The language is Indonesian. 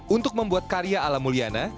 untuk membuat karya ala mulyana